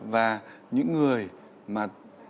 và những người mà